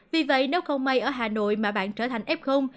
vì vậy nếu không may ở hà nội mà bạn trở thành ép không